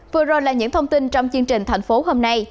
vừa rồi là những thông tin trong chương trình thành phố hôm nay